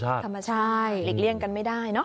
ใช่เหล็กเลี่ยงกันไม่ได้น้ว